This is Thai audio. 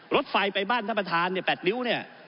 รถไฟไปบ้านท่านประธานเนี่ย๘นิ้วเนี่ย